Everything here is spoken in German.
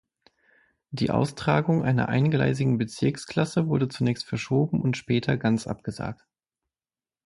Die Austragung einer eingleisigen Bezirksklasse wurde zunächst verschoben und später ganz abgesagt.